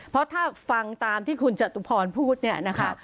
เพราะถ้าฟังตามที่คุณจตุพรพูดเนี่ยนะคะ